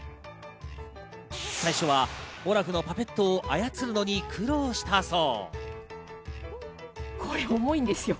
最初はオラフのパペットを操るのに苦労したそう。